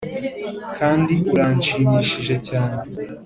kandi uranshimishije cyane.